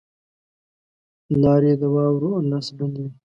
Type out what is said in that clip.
لاري د واورو له لاسه بندي وې.